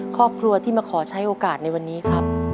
ครอบครัวที่มาขอใช้โอกาสในวันนี้ครับ